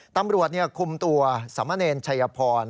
ตำรวจคุมตัวสมเนรชัยพร